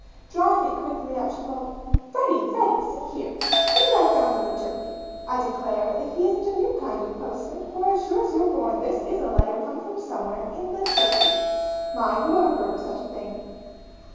Drawing it quickly out she called, "Freddie, Freddie, see here! See what I've found in the turkey! I declare if he isn't a new kind of a postman, for sure as you're born this is a letter, come from somewhere, in the turkey. My! who ever heard of such a thing?"